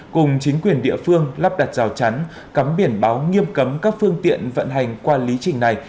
cùng chính quyền địa phương lắp đặt rào chắn cắm biển báo nghiêm cấm các phương tiện vận hành qua lý trình này